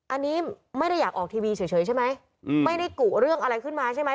อันนี้ไม่ได้อยากออกทีวีเฉยใช่ไหมไม่ได้กุเรื่องอะไรขึ้นมาใช่ไหม